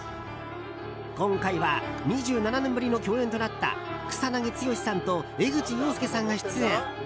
今回は２７年ぶりの共演となった草なぎ剛さんと江口洋介さんが出演。